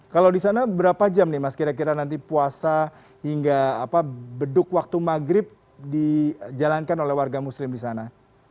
kalau di sana berapa jam nih mas kira kira nanti puasa hingga beduk waktu maghrib dijalankan oleh warga muslim di sana